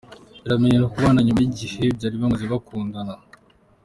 Bemeranyijwe kubana nyuma y'igihe bari bamaze bakundana.